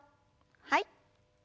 はい。